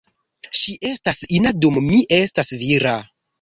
Ŝi estas ina dum mi estas vira.